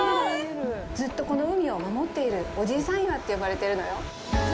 ずっとこの海を守っているおじいさん岩って呼ばれてるのよ。